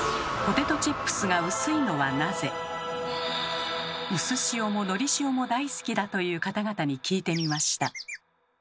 「うすしお」も「のりしお」も大好きだという方々に聞いてみました。